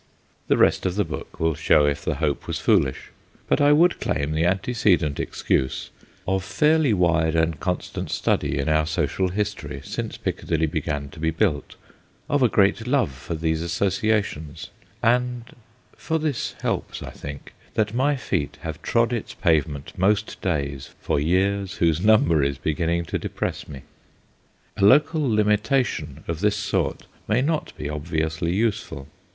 The rest of the book will show if the hope was foolish. But I would claim the antecedent excuse PREFACE ix of fairly wide and constant study in our social history since Piccadilly began to be built, of a great love for these associations, and for this helps, I think that my feet have trod its pavement most days for years whose number is beginning to de press me. A local limitation of this sort may not be obviously useful.